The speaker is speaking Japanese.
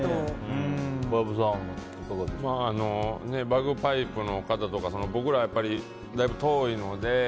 バグパイプの方とか僕らは、だいぶ遠いので。